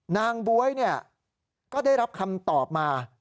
บ๊วยก็ได้รับคำตอบมา